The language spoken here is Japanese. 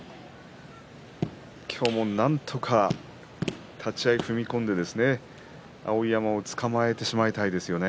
今日もなんとか立ち合い踏み込んで碧山をつかまえてしまいたいですよね。